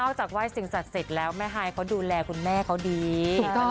นอกจากไว้สิ่งสักสิทธิ์แล้วแม่ไฮเค้าดูแลคุณแม่เค้าดีถูกต้อง